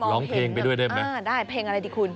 ร้องเพลงไปด้วยได้ไหมได้เพลงอะไรดีคุณ